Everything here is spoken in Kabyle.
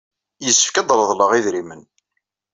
Yessefk ad d-reḍleɣ idrimen.